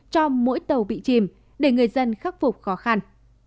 cho mỗi tàu bị chìm để người dân khắc phục khó khăn